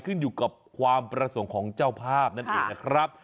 ขึ้นอยู่กับความประสงค์ของเจ้าภาพนั่นเองนะครับ